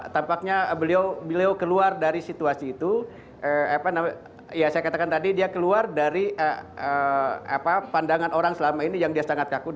tampaknya beliau keluar dari situasi itu ya saya katakan tadi dia keluar dari pandangan orang selama ini yang dia sangat kaku